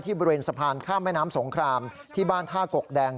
บริเวณสะพานข้ามแม่น้ำสงครามที่บ้านท่ากกแดง